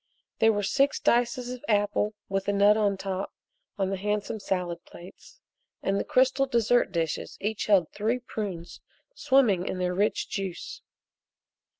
There were six dices of apple with a nut on top on the handsome salad plates, and the crystal dessert dishes each held three prunes swimming in their rich juice.